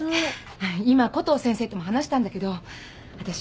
あっ今コトー先生とも話したんだけどわたし